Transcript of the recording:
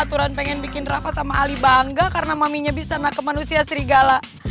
aturan pengen bikin rafa sama ali bangga karena maminya bisa nakep manusia serigala